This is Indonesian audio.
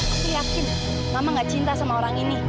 aku yakin mama gak cinta sama orang ini